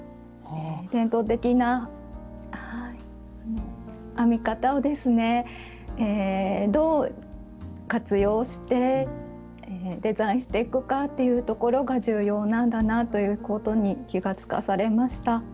伝統的な編み方をですねどう活用してデザインしていくかというところが重要なんだなということに気が付かされました。